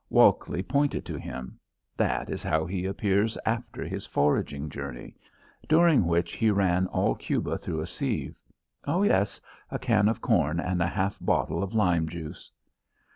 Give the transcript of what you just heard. Walkley pointed to him. "That is how he appears after his foraging journey, during which he ran all Cuba through a sieve. Oh, yes; a can of corn and a half bottle of lime juice."